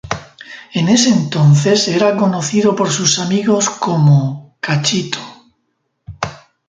En ese entonces era conocido por sus amigos como "Cachito".